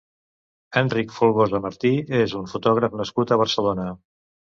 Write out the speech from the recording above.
Enric Folgosa Martí és un fotògraf nascut a Barcelona.